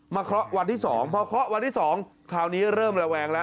เคราะห์วันที่๒พอเคาะวันที่๒คราวนี้เริ่มระแวงแล้ว